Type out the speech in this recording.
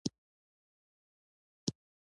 چار مغز د افغانستان د ملي هویت نښه ده.